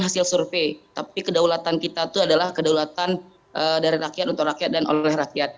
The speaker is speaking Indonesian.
hasil survei tapi kedaulatan kita itu adalah kedaulatan dari rakyat untuk rakyat dan oleh rakyat